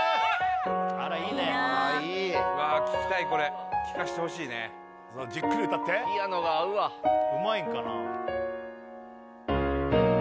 あらいいねいいわあ聴きたいこれ聴かせてほしいねじっくり歌ってピアノが合うわうまいんかな？